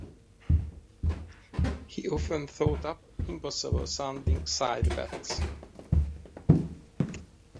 He often thought up impossible-sounding side bets.